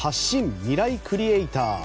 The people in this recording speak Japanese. ミライクリエイター」。